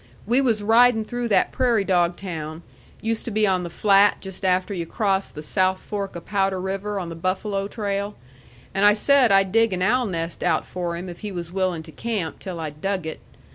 We was ridin' through that prairie dog town, used to be on the flat just after yu' crossed the south fork of Powder River on the Buffalo trail, and I said I'd dig an owl nest out for him if he was willing to camp till I'd dug it.